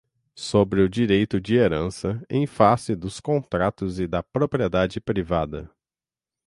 Sobre o Direito de Herança, em Face dos Contratos e da Propriedade Privada